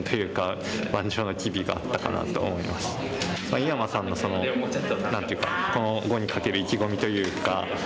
井山さんの何ていうかこの碁にかける意気込みというか。